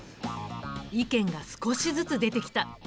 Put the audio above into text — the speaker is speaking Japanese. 意見が少しずつ出てきた。